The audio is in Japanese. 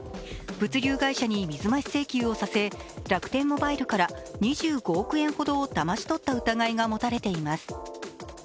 物流会社に水増し請求をさせ楽天モバイルから２５億円ほどをだまし取った疑いが持たれています。